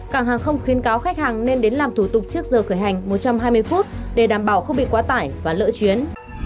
cảng hàng không khuyến cáo khách hàng nên đến làm thủ tục trước giờ khởi hành một trăm hai mươi phút để đảm bảo không bị quá tải và lỡ chuyến